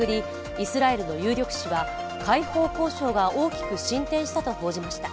イスラエルの有力紙は解放交渉が大きく進展したと報じました。